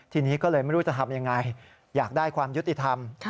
ทีนี้ก็เลยไม่รู้จะทำยังไงอยากได้ความยุติธรรม